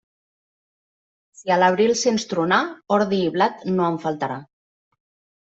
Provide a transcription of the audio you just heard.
Si a l'abril sents tronar, ordi i blat no en faltarà.